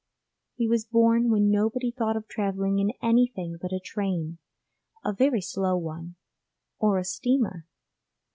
He was born when nobody thought of travelling in anything but a train a very slow one or a steamer.